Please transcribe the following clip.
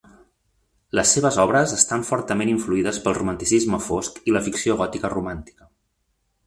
Les seves obres estan fortament influïdes pel romanticisme fosc i la ficció gòtica romàntica.